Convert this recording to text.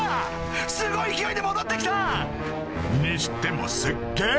すごい勢いで戻って来たにしてもすっげぇ